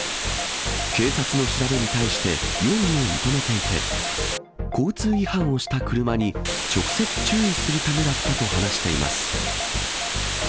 警察の調べに対して容疑を認めていて、交通違反をした車に直接注意するためだったと話しています。